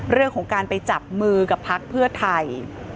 เรื่องของการไปจับมือกับพักเพื่อไทย